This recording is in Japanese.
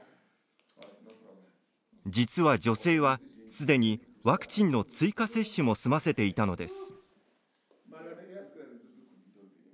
実は女性は、すでにワクチンの追加接種も済ませていたのです。